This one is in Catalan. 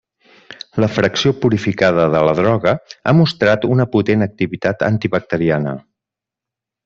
La fracció purificada de la droga ha mostrat una potent activitat antibacteriana.